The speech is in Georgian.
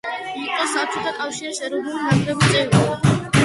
იყო საბჭოთა კავშირის ეროვნული ნაკრების წევრი.